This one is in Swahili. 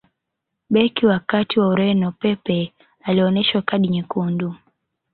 beki wa kati wa ureno pepe alioneshwa kadi nyekundu